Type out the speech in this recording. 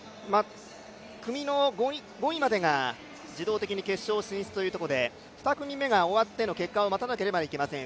組の５位までが、自動的に決勝進出ということで２組目が終わっての結果を待たなければなりません。